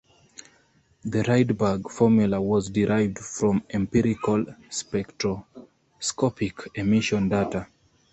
The Rydberg formula was derived from empirical spectroscopic emission data.